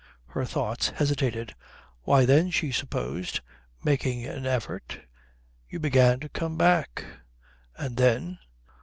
Her thoughts hesitated. Why then she supposed, making an effort, you began to come back. And then....